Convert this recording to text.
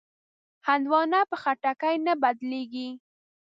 هندوانه په خټکي نه بدلېږي.